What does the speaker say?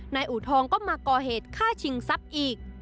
อูทองก็มาก่อเหตุฆ่าชิงทรัพย์อีก